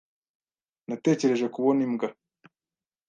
Natekereje kubona imbwa.